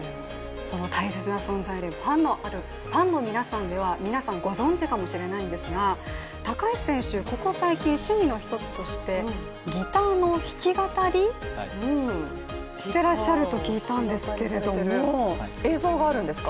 その大切な存在、ファンの皆さんは皆さんご存じかもしれないんですが、高橋選手、ここ最近趣味の一種としてギターの弾き語りしてらっしゃると聞いたんですが、映像があるんですか。